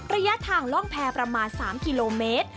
ระยะทางล่องแพรประมาณ๓กิโลเมตร